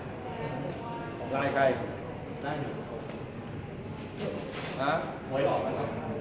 หาหมวยออกแล้วหมวยออกแล้วไม่ออกแล้ว